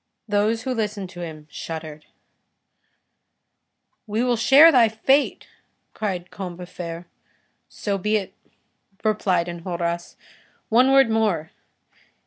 Those who listened to him shuddered. "We will share thy fate," cried Combeferre. "So be it," replied Enjolras. "One word more.